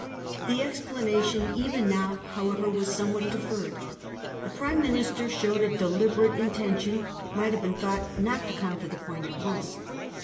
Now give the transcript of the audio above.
The explanation even now, however, was some what deferred. The Prime Minister showed a deli berate intention, it might have been thought, not to come to the point at once.